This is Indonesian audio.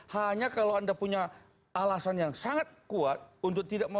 hanya kalau anda punya alasan yang sangat kuat untuk tidak